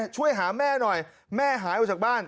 ช่วยหาแม่หน่อยแม่หายออกจากบ้าน